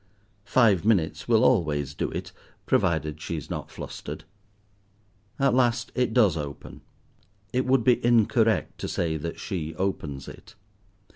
Five minutes will always do it, provided she is not flustered. At last it does open. It would be incorrect to say that she opens it.